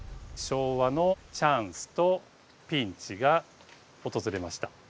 昭和のチャンスとピンチが訪れました。